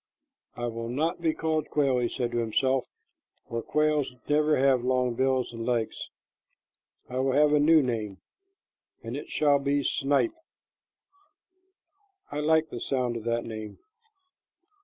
"I will not be called quail," he said to himself, "for quails never have long bills and legs. I will have a new name, and it shall be snipe. I like the sound of that name."